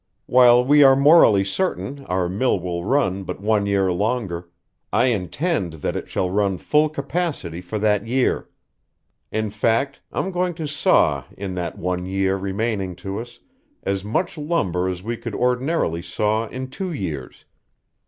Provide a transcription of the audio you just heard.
"While we are morally certain our mill will run but one year longer, I intend that it shall run full capacity for that year. In fact, I'm going to saw in that one year remaining to us as much lumber as we would ordinarily saw in two years.